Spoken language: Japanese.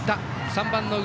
３番の内